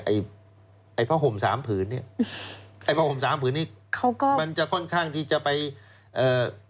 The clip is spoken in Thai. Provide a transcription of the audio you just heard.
ไอ้ไอ้ผ้าห่มสามผืนเนี้ยไอ้ผ้าห่มสามผืนนี้เขาก็มันจะค่อนข้างที่จะไปเอ่อ